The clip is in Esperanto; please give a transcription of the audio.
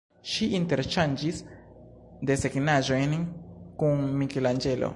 Ŝi interŝanĝis desegnaĵojn kun Mikelanĝelo.